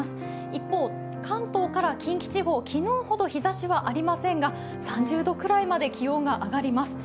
一方、関東から近畿地方、昨日ほど日ざしはありませんが３０度くらいまで気温が上がります。